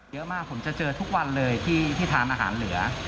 เยอะมากผมจะเจอทุกวันเลยที่ทานอาหารเหลือ